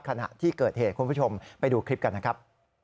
ขณะที่เกิดเหตุคุณผู้ชมไปดูคลิปกันนะครับ